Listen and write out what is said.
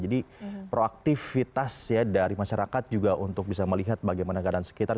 jadi proaktifitas ya dari masyarakat juga untuk bisa melihat bagaimana keadaan sekitar